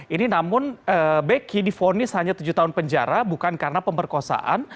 ini namun beki difonis hanya tujuh tahun penjara bukan karena pemberkosaan